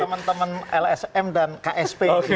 teman teman lsm dan ksp